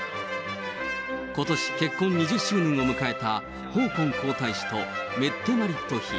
ことし結婚２０周年を迎えた、ホーコン皇太子とメッテマリット妃。